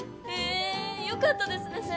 へえよかったですね。